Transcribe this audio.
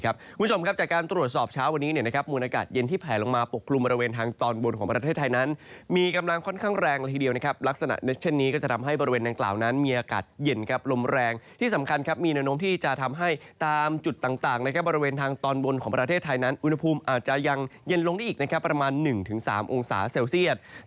บริเวณทางตอนบนของประเทศไทยนั้นมีกำลังค่อนข้างแรงละทีเดียวนะครับลักษณะเช่นนี้ก็จะทำให้บริเวณแหลงกล่าวนั้นมีอากาศเย็นครับลมแรงที่สำคัญครับมีแนะนำที่จะทำให้ตามจุดต่างนะครับบริเวณทางตอนบนของประเทศไทยนั้นอุณหภูมิอาจจะยังเย็นลงได้อีกนะครับประมาณ๑๓องศาเซลเซียต